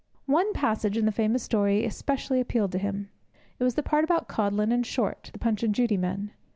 One passage in the famous story especially appealed to him. It was the part about Codlin and Short, the Punch and Judy men.